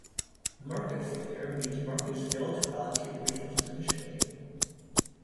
Market failure means that markets fail to allocate resources efficiently.